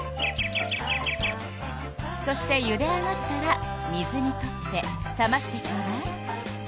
そしてゆで上がったら水にとって冷ましてちょうだい。